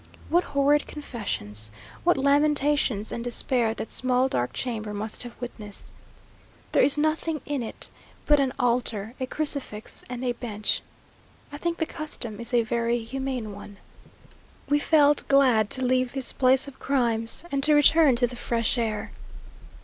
What horrid confessions, what lamentations and despair that small dark chamber must have witnessed! There is nothing in it but an altar, a crucifix, and a bench. I think the custom is a very humane one. We felt glad to leave this palace of crimes, and to return to the fresh air.